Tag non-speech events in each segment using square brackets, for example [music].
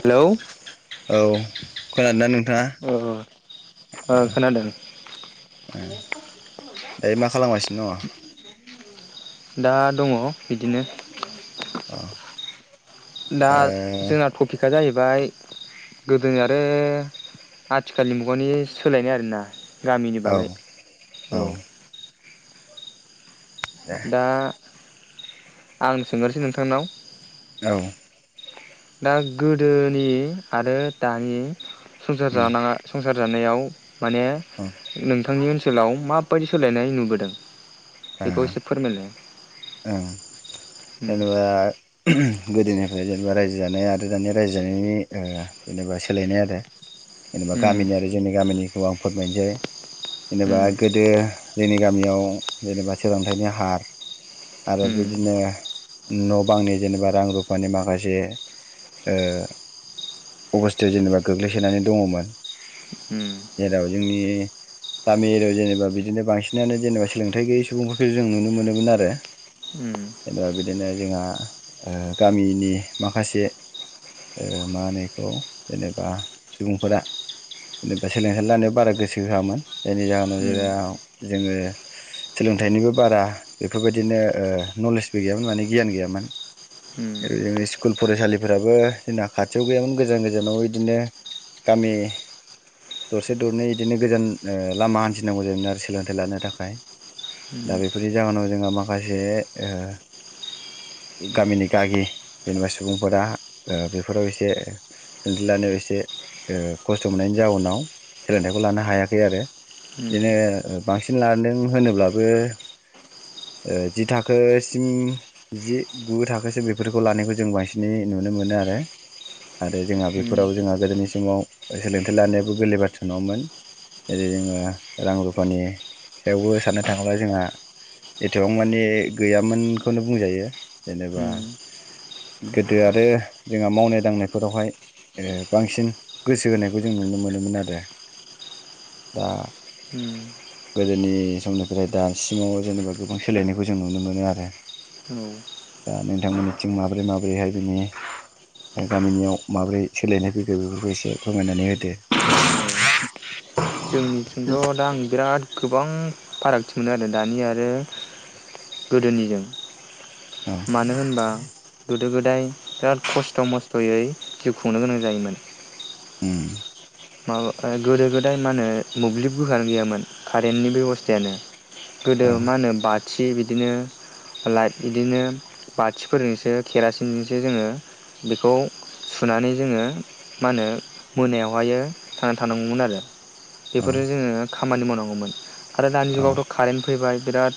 Hello औ खोनादोंना नोंथाङा ओ ओ खोनादों दायो मा खालामगासिनो दङ? दा दङ बिदिनो। औ दा जोंना थपिकआ जाहैबा फ्राय गोदोनि आरो आथिखालनि मुगानि सोलायनाय आरोना गामिनि ओ बागै औ दे दा आंनो सोंगोरनोसै नोंथांनाव औ दा गोदोनि आरो दानि संसार उम जानाङा संसा सार जानायाव माने औ नोंथांनि ओनसो सोलाव माबायदि सोलायनाय नुबोदों। बेखौ एसे फोरमायलाय उम उम जेनेबा गोदोनिफाय जेनेबा रायजो जानाय आरो दानि रायजो जानायनि ओ जेनेबा सोलायनाय आरो जेनेबा गामिनि उम आरो जोंनि गामिनि औ आं फोरमायनोसै जेनेबा गोदो जोंनि गामियाव जेनेबा सोलोंथाइनि हार आरो उम बिदिनो न बांनि जेनेबा रां रुफानि माखासे ओ अबस्थायाव जेनेबा गोग्लैसोनानै दङमोन उम जेराव जोंनि गामि एरियाव जेनेबा बिदिनो बांसिनानो जेनेबा सोलोंथाइ गैयि सुबुंफोरखौ जों नुनो मोनोमोन आरो जेनेबा बिदिनो जोंहा ओ गामिनि माखासे ओ मा होनो इखौ जेनेबा सुबुंफोरा जेनेबा सोलोंथाइ लानायाव बारा गोसो होआमोन जायनि जाहोनाव उम जेराव जोङो सोलोंथाइनिबो बारा बेफोरबायदिनो ओ नलेजबो गैयामोन माने गियान गैयामोन ओ स्कुल फरायसालिफोराबो जोंना खाथियाव गैयामोन गोजान गोजानाव इदिनो गामि दरसे दरनै इदिनो गोजान ओ लामा हान्थिनांगौ जायोमोन आरो सोलोंथाइ लानो थाखाय उम दा बेफोरनि जाहोनाव जोंहा माखा से ओ गामिनि गागि जेनेबा सुबुंफोरा ओ बेफोराव एसे सोलोंथाइ लानायाव एसे खस्थ मोननायनि जाउनाव सोलोंथाइखौ लानो हायाखै आरो उम उम बिदिनो बांसिन लादों होनोब्लाबो ओ जि थाखोसिम जि गु थाखोसे बेफोरखौ लानायखौ जों बांसिनै नुनो मोनो आरो आरो जोंहा उम बेफोराव जोंहा गोदोनि समाव सोलोंथाइ लानायाबो गोरलै बाथ्रा नङामोन जेरै जोङो रां रुफानि सायावबो साननो थाङोब्ला जोंहा एथबां मानि गैयामोनखौनो बुंजायो उम जेनेबा गोदो आरो जोंहा मावनाय दांनायफोरावहाय ओ बांसिन गोसो होनायखौ जों नुनो मोनोमोन आरो दा उम गोदोनि समनिफ्राय दासिमाव जेनेबा गोबां सोलायनायखौ जों नुनो मोनो आरो औ दा नोंथांमोननिथिं माबोरै माबोरैहाय बिनि गामिनियाव माबोरै सोलायनाय फैगो बेफोरखौ एसे फोरमायनानै होदो जोंथ' दा आं बिराद गो बां फारागथि मोनो आरो दानि आरो गोदोनिजों। औ मानो होनबा गोदो गोदाय बिराद खस्थ मस्थयै जिउ खुंनो गोनां जायोमोन। उम्म मा [unintelligible] गोदो गोदाय मा होनो मोब्लिब गोहोआनो गैयामोन कारेन्टनि औ बेबस्थायानो। गोदो मा होनो बाथ थि बिदिनो लाइट इदिनो बाथिफोरजोंसो केरासिनजोंसो जोंङो बेखौ सुनानै जोंङो मा होनो मोनायावहायो थांनानै थानांगौमोन आरो औ बेफोरजों जोङो खामानि मावनांगौमोन। आरो दानि जुगावथ' कारेन्ट फैबाय। बिराद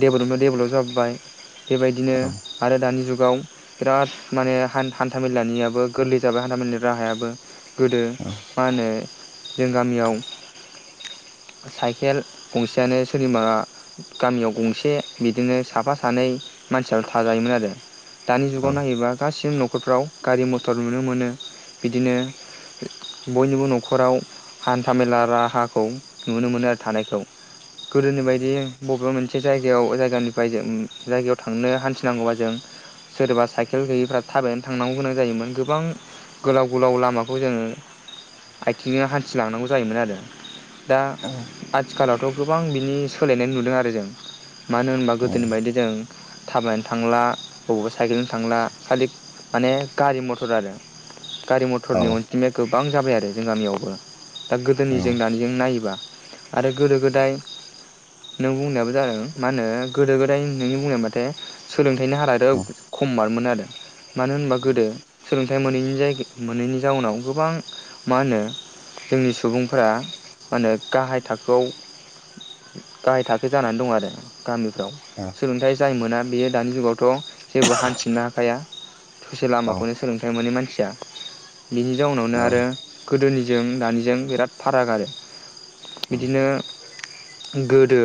देबलपनिफाय देबलप जाबोबाय। बेबायदिनो औ आरो दानि जुग गाव बिराद माने हान-हान्था मेलानियाबो गोरलै जाबाय हान्था मेलानि राहायाबो गोदो औ मा होनो जों गामियाव साइकेल गंसेयानो सोरनिबा गामियाव गंसे बिदिनो साफा सानै मानसियाल थाजायोमोन आरो। दानि जुगाव नायोबा गासिबो नख खरफ्राव गारि मथर नुनो मोनो बिदिनो बयनिबो नखराव हान्थामेला राहाखौ नुनो मोनो आरो थानायखौ गोदोनि बायदि बबेबा मोनसे जायगायाव जायगानिफ्राय जों जायगायाव थांनो हान्थिनांगौबा जों सोरबा साइकेल गैयैफ्रा थाबायनै थांनांगौ गोनां जायोमोन गोबां गोलाव गोलाव लामाखौ जोङो आथिंङै हान्थिलांनांगौ जायोमोन आरो दा औ आथिखालावथ' गोबां बिनि सोलायनाय नुदों आरो जों मानो होनोबा गोदोनि बायदि जों थाबायनो थांला बबावबा साइकेलजों थांला खालि माने गारि मथर आरो। गारि मथरनि अनजिमाया बां जाबाय आरो जों गामियावबो दा औ गोदोनिजों दानिजों नायोबा आरो गोदो गोदाय नों बुंनायाबो जादों मा होनो गोदो गोदाय नोंनि बुंनाया माथो सोलों थायनि हारादो खम मारमोन आरो मानो होनबा गोदो सोलोंथाइ मोनैनि जायग मोनैनि जाउनाव गोबां मा होनो जोंनि सुबुंफोरा मा होनो गाहाय थाखोआव गाहाय थाखो जानानै दं आरो। गामिफ्राव सोलोंथाइ जाय मोना बेयो दानि जुगावथ जेबो हान्थिनोनो हाखाया। ससे औ लामाखौनो सोलोंथाइ मोनो मान [unintelligible] बिनि जाउनावनो औ आरो गोदोनिजों दानिजों बिराद फाराग आरो औ बिदिनो गोदो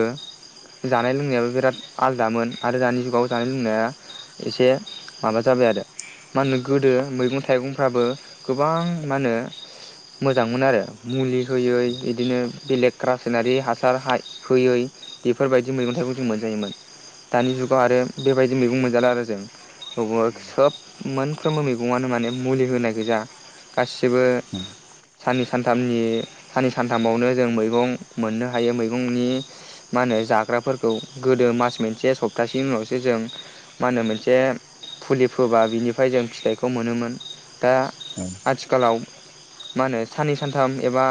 जानाय लोंनायाबो बिराद आलदामोन आरो दानि जुगाव जानाय लोंनाया एसे माबा जाबाय आरो मा होनो गोदो मैगं थाइगंफ्राबो गोबां मा होनो मोजांमोन आरो मुलि होयै बिदिनो बेलेग रासायनारि हासार हाय होयै बेफोरबायदि मैगं थाइगं जों मोनजायोमोन दानि जुगाव आरो बेबायदि मैगं मोनजाला आरो जों [unintelligible] सोब मोनफ्रोमबो मैगंङानो माने मुलि होनाय गोजा। गासिबो सान नै सान थामनि सान नै सान थामावनो जों मैगं मोननो हायो मैगंनि मा होनो जाग्राफोरखौ गोदो मास मोनसे सप्तासेनि उनावसो जों मा होनो मोनसे फुलि फोबा बिनिफ्राय जों फिथाइखौ मोनोमोन दा आथिखालाव मा होनो सान्नै सान्थाम एबा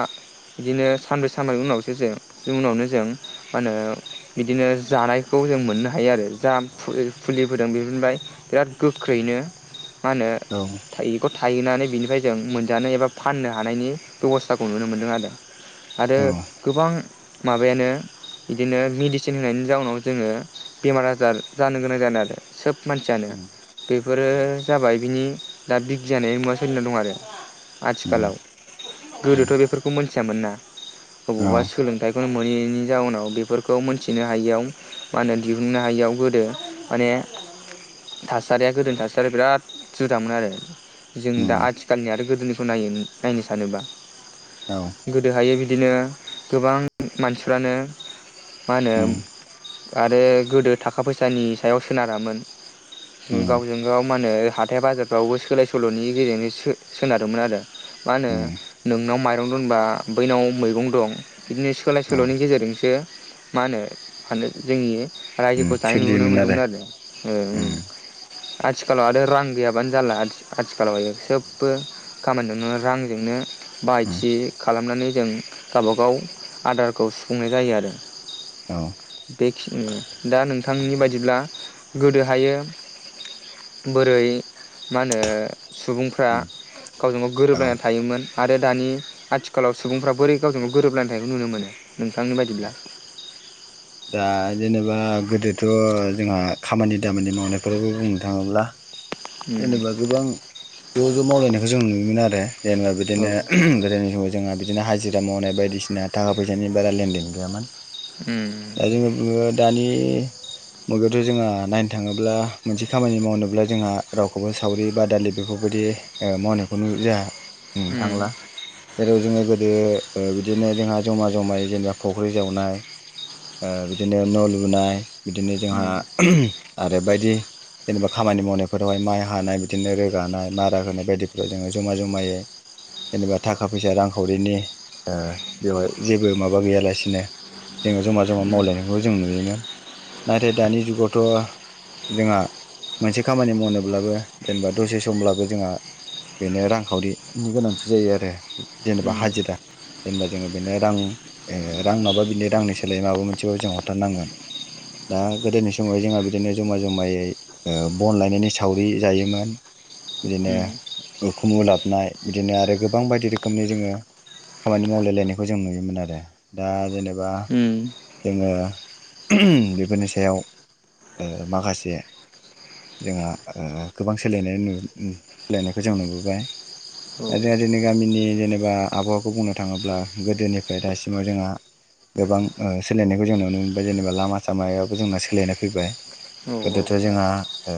बिदिनो सानब्रै सानबानि उनावसो जों बे उनावनो जों मा होनो बिदिनो जानायखौ जों मोन्नो हायो आरो जा फुलि फुलि फोदों बेफोरनिफ्राय बिराद गोख्रैनो मा होनो थायैखौ थायहोनानै बे जों मोनजानो एबा फाननो हानायनि बेबस्थाखौ नुनो मोन्दों आरो। आरो गोबां माबायानो बिदिनो मेडिसिन होनायनि जाउनाव जोङो बेमार आजार जानो गोनां जादों आरो सोब मानसियानो बेफोरो जाबाय बिनि दा बिगियाननि मुवा सोलिना दं आरो आथिखालाव गोदोथ बेफोरखौ मोन्थियामोन ना। अबावबा सोलोंथाय मोनैनि जाउनाव बेफोरखौ मोन्थिनो हायियाव मा होनो दिहुन्नो हायियाव गोदो माने थासारिया गोदोनि थासारिया बिराद जुदामोन आरो जों दा आथिखाल खालनि आरो गोदोनिखौ नायोमोन नायनो सानोब्ला गोदोहायो बिदि बिदिनो गोबां मानसिफ्रानो मा होनो आरो गोदो थाखा फैसानि सायाव सोनारामोन ओ गावजों गाव मा होनो हाथाय बाजारफ्रावबो सोलाय सोल'नि गेजेरजोंनो सो सोनारोमोन आरो मा होनो नोंनाव माइरं दोनबा बैनाव मैगं दं बिदिनो सोलाय सोल'नि गेजेरजोंसो मा होनो फान्नो जोंनि रायजोखौ जानायै नुनो मोन्दोंमोन आरो ओ उम। आथिखालाव आरो रां गैयाबानो जारला आथि-आथिखालाव सोब बो खामानिजोंनो रांजोंनो बाहायथि खालामनानै जों गावबागाव आदारखौ सुफुंनाय जायो आरो। औ। बेखिनि दा नोंथांनि बायदिब्ला गोदोहायो बोरै मा होनो सुबुंफ्रा गावजों गाव औ गोरोबलायना थायोमोन आरो दानि आथिखालाव सुबुंफ्रा बोरै गावजों गाव गोरोबलायनाय थानायखौ नुनो मोनो नोंथांनि बायदिब्ला? दा जेनेबा गोदोथ जोंहा खामानि दामानि मावनायफोरबो बुंनो थाङोब्ला उम जेनेबा गोबां [unintelligible] ज' मावलायनायखौ जों नुयोमोन आरो जेनेबा औ बिदिनो गोदोनि समाव जोंहा बिदिनो हाजिर बुजा मावनाय बायदिसिना थाखा फैसानि बारा लेनदेन गैयामोन। दा जोङो उम। दानि मुगायावथ जोंहा नायनो थाङोब्ला मोनसे खामानि मावनोब्ला जोंहा रावखौबो सावरि बादालि बेफोरबायदि ओ मावनायखौ नु जोहा नुनो उम थांला जेराव जोङो गोदो ओ बिदिनो जोंहा जमा जमायै जेनेबा फुख्रि जावनाय ओ बिदिनो न' लुनाय बिदिनो जोंहा उम आरो बायदि जेनेबा खामानि मावनाय बेफोरावहाय माइ हानाय बिदिनो रोगानाय मारा होनाय बायदिफोराव जोङो जमा जमायै जेनेबा थाखा फैसा रांखावरिनि ओ बेवहाय जेबो माबा गैयालासिनो जोङो जमा जमा मावलायनायखौ जों नुयोमोन। नाथाय दानि जुगावथ' जोङा मोनसे खामानि मावनोब्लाबो जेनेबा दसे समब्लाबो जोंहा बेनो रांखावरिनि गोनांथि जायो आरो जेनेबा उम हाजिरा जेनेबा जोङो बिनो रां ओ रां नाबा बिनि रांनि सोलायै माबा मोनसेबाबो जों हरथारनांगोन दा गोदोनि समाव जोंहा बिदिनो जमा जमायै ओ बन लायनायनि सावरि जायोमोन। बिदिनो उखुमु लाबोनाय बिदिनो आरो गोबां बायदि रोखोमनि जोङो खामानि मावलायलायनायखौ जों नुयोमोन आरो दा जेनबा बा उम उम जोङो बेफोरनि सायाव ओ माखासे जोंहा ओ गोबां सोलायनाय नु उम सोलायनायखौ जों नुबोबाय औ जोंहा जोंनि गामिनि जेनेबा आबहावाखौ बुंनो थाङोब्ला गोदोनिफ्राय दासिमाव जोंहा गोबां ओ सोलायनायखौ जों नुनो मोनबाय जेनेबा लामा सामायाबो जोंना सोलायनाय फैबाय औ गोदोथ' जोंहा ओ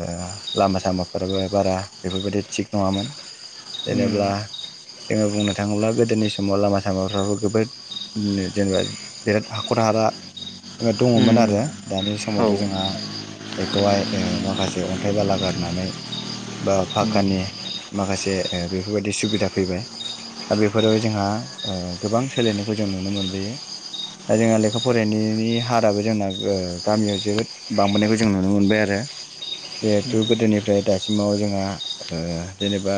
लामा सामाफोराबो बारा बेफोरबायदि थिग नङामोन जेनेब्ला उम जोङो बुंनो थाङोब्ला गोदोनि समाव लामा सामाफ्राबो गोबोदनो जेनेबा बिराद हाख'र हाला ओ उम दङ'मोन औ उम औ उम औ उम आरो औ दानि औ समावथ' उम जोंहा बेखौहाय ओ माखासे बेयाव अन्थाइ बाला गारनानै बा पाक्कानि माखासे ओ बेफोरबादि सुबिदा फैबाय दा बेफोराव जोंहा ओ गोबां सोलायनायखौ जों नुनो मोनबोयो दा जोंहा लेखा फरायनायनि हाराबो जोंना ओ गामियाव जोबोद बांबोनायखौ जों नुनो मोनबाय आरो जिहेथु गोदोनिफ्राय दासिमाव जोंहा ओ जेनेबा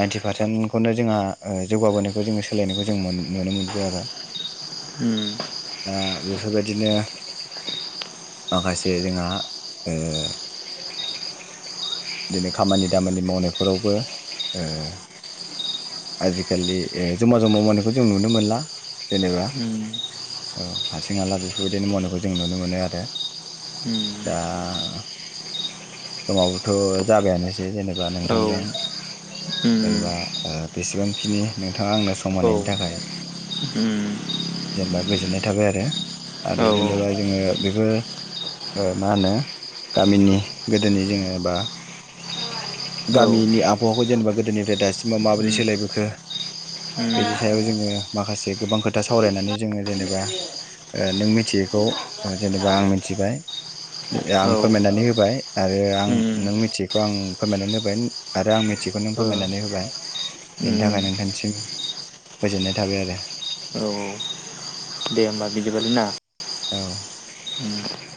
नाइन्टि पारसेन्टखौनो जोंङा ओ जौगाबोनायखौ जोङो सोलायनायखौ जों मोन नुनो मोनबोबाय आरो दा बेफोरबायदिनो माखासे जोंङा ओ दिनै खामानि दामानि मावनायफोरावबो ओ आजिखालि ओ जमा जमा मावनायखौ जों नुनो मोनला जेनेबा औ हारसिं हाला बेफोरबायदिनो मावनायखौ जों नुनो मोनो आरो दा समाबोथ' जाबायानोसै जेनेबा नोंथांजों जेनेबा ओ बेसेबांखिनि नोंथाङा आंनो सम होनायनि थाखाय जेनेबा गोजोननाय थाबाय आरो आरो जेनेबा जोङो बेबो ओ मा होनो गामिनि गोदोनि जोङो बा गामिनि आबहावाखौ जेनेबा गोदोनिफ्राय दासिमाव माबोरै सोलायबोखो बेनि सायाव जोङो माखासे गोबां खोथा सावरायनानै जोङो जेनेबा ओ नों मिथियैखौ जेनेबा आं मिथिबाय आं फोरमायनानै होबाय आरो आं औ उम नों मिथियैखौ आं फोरमायनानै होबाय आरो आं मिथियिखौ नों ओ फोरमायनानै होबाय बेनि उम थाखाय नोंथांनिसिम गोजोननाय थाबाय आरो औ दे होमबा बिदिबालाय ना औ [unintelligible]